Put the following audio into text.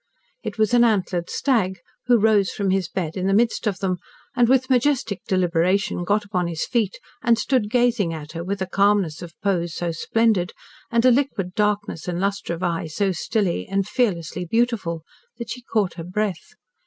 It was an antlered stag who rose from his bed in the midst of them, and with majestic deliberation got upon his feet and stood gazing at her with a calmness of pose so splendid, and a liquid darkness and lustre of eye so stilly and fearlessly beautiful, that she caught her breath.